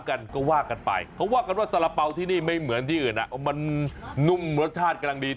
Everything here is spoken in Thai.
กันก็ว่ากันไปเขาว่ากันว่าสาระเป๋าที่นี่ไม่เหมือนที่อื่นมันนุ่มรสชาติกำลังดี